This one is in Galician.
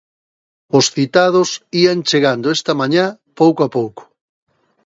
Os citados ían chegando esta mañá pouco a pouco.